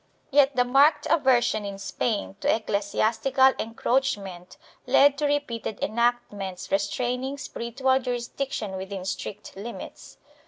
3 Yet the marked aversion in Spain to ecclesiastical encroach ment led to repeated enactments restraining spiritual jurisdic tion within strict limits.